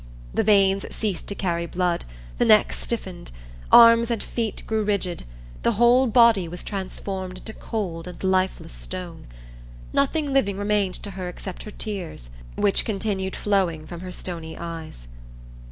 The veins ceased to carry blood; the neck stiffened; arms and feet grew rigid; the whole body was transformed into cold and lifeless stone. Nothing living remained to her except her tears, which continued flowing from her stony eyes.